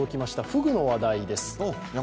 ふぐの話題です。